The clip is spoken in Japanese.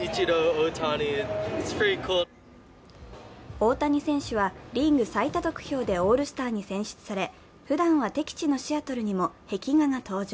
大谷選手はリーグ最多得票でオールスターに選出され、ふだんは敵地のシアトルにも壁画が登場。